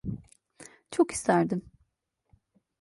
Çok isterdim.